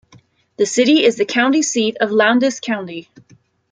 The city is the county seat of Lowndes County.